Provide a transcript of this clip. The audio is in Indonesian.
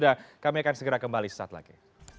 dan kami akan segera kembali saat lagi